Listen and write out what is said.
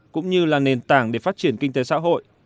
cũng như là nền tảng để phát triển kinh tế xã hội